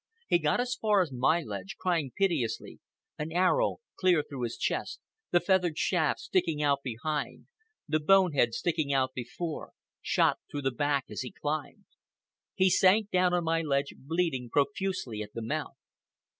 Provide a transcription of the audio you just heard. He got as far as my ledge, crying piteously, an arrow clear through his chest, the feathered shaft sticking out behind, the bone head sticking out before, shot through the back as he climbed. He sank down on my ledge bleeding profusely at the mouth.